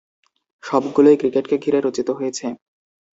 সবগুলোই ক্রিকেটকে ঘিরে রচিত হয়েছে।